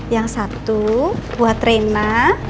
yang satu buat rena